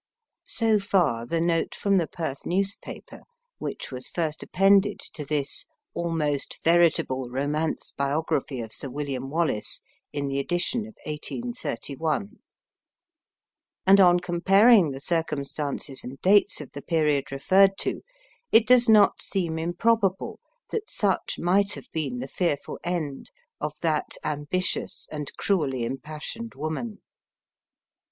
So far the note from the Perth, newspaper (which was first appended to this "almost veritable romance biography of Sir William Wallace," in the edition of 1831); and on comparing the circumstances and dates of the period referred to, it does not seem improbable that such might have been the fearful end of that ambitious and cruelly impassioned woman.